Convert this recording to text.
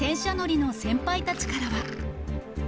戦車乗りの先輩たちからは。